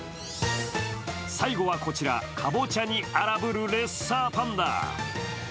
最後はこちら、かぼちゃに荒ぶるレッサーパンダ。